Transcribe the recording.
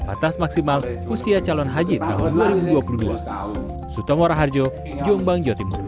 batas maksimal usia calon haji tahun dua ribu dua puluh dua